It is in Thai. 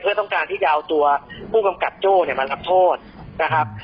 เพื่อต้องการที่จะเอาตัวผู้กำกับโจ้เนี่ยมารับโทษนะครับ